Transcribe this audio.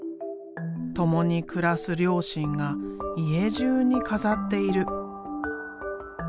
共に暮らす両親が家じゅうに飾っている。